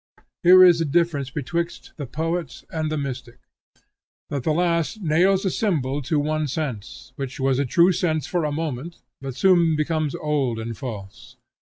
Here is the difference betwixt the poet and the mystic, that the last nails a symbol to one sense, which was a true sense for a moment, but soon becomes old and false.